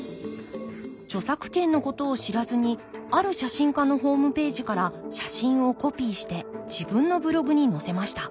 著作権のことを知らずにある写真家のホームページから写真をコピーして自分のブログに載せました。